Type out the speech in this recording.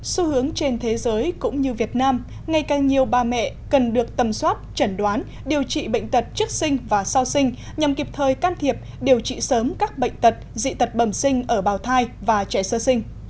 xu hướng trên thế giới cũng như việt nam ngày càng nhiều bà mẹ cần được tầm soát chẩn đoán điều trị bệnh tật trước sinh và sau sinh nhằm kịp thời can thiệp điều trị sớm các bệnh tật dị tật bẩm sinh ở bào thai và trẻ sơ sinh